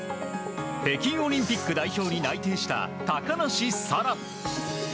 北京オリンピック代表に内定した高梨沙羅。